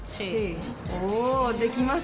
おぉ、できます！？